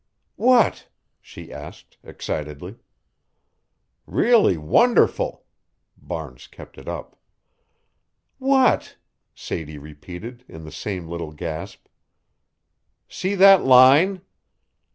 "What?" she asked, excitedly. "Really wonderful!" Barnes kept it up. "What?" Sadie repeated, in the same little gasp. "See that line?"